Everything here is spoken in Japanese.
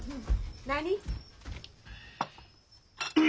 何？